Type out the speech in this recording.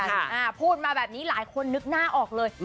อ่าพูดมาแบบนี้หลายคนนึกหน้าออกเลย